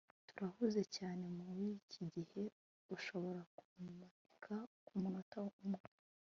turahuze cyane muriki gihe urashobora kumanika kumunota umwe